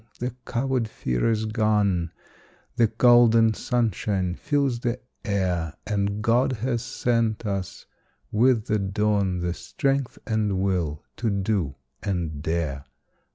the coward fear is gone The golden sunshine fills the air, And God has sent us with the dawn The strength and will to do and dare.